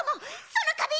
そのかびん